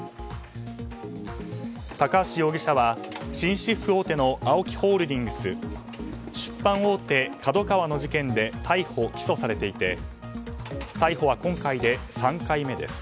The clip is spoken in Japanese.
高橋容疑者は紳士服大手のＡＯＫＩホールディングス出版大手ＫＡＤＯＫＡＷＡの事件で逮捕・起訴されていて逮捕は今回で３回目です。